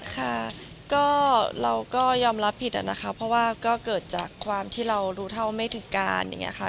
ค่ะเราก็ยอมรับผิดนะครับเพราะว่าก็เกิดจากความที่เรารู้เท่าไม่ถึงการ